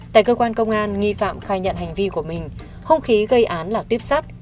tại cơ quan công an nghi phạm khai nhận hành vi của mình hông khí gây án là tuyếp sắt